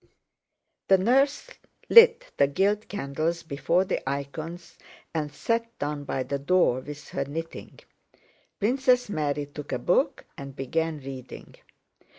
The nurse lit the gilt candles before the icons and sat down by the door with her knitting. Princess Mary took a book and began reading.